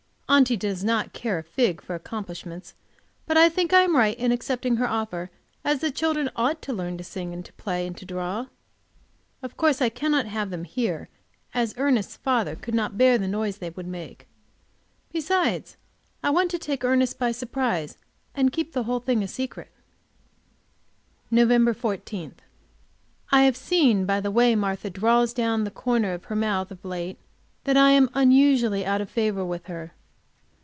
Aunty does not care a fig for accomplishments, but I think I am right in accepting her offer, as the children ought to learn to sing and to play and to draw. Of course I cannot have them come here, as Ernest's father could not bear the noise they would make; besides, I want to take him by surprise, and keep the whole thing a secret. Nov. 14. I have seen by the way Martha draws down the corners of her mouth of late, that I am unusually out of favor with her.